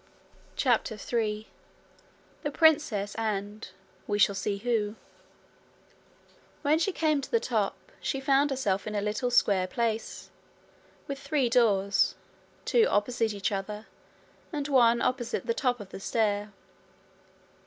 CHAPTER 3 The Princess and We Shall See Who When she came to the top, she found herself in a little square place, with three doors, two opposite each other, and one opposite the top of the stair.